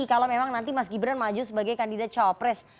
kalau memang nanti mas gibran maju sebagai kandidat cawapres